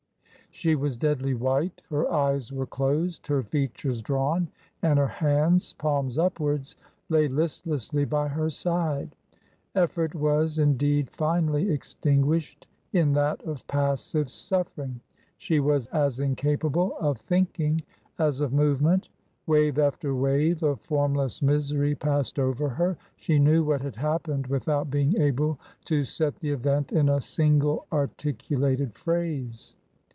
She was deadly white, her eyes were closed, her features drawn, and her hands, palms upwards, lay listlessly by her side. Effort was, in deed, finally extinguished in that of passive suffering; she was as incapable of thinking as of movement ; wave after wave of formless misery passed over her ; she knew what had happened without being able to set the event in a single articulated phrase.